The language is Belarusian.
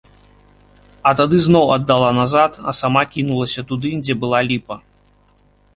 А тады зноў аддала назад, а сама кінулася туды, дзе была ліпа.